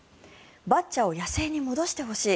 バッチャを野生に戻してほしい。